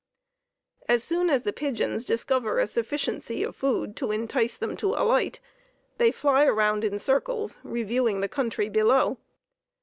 As soon as the pigeons discover a sufficiency of food to entice them to alight, they fly around in circles, reviewing the country below.